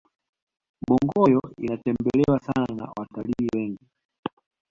bongoyo inatembelewa sana na watalii wengi